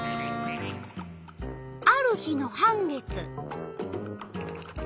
ある日の半月。